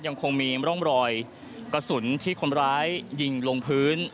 ยังคงมีร่องรอยกระสุนที่คนร้ายยิงลงพื้น